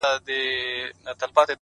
زه به له خپل دياره ولاړ سمه!!